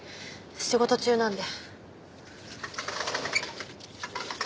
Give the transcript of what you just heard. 仕事中なんで。